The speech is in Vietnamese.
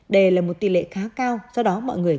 đây là một tỷ lệ khá cao do đó mọi người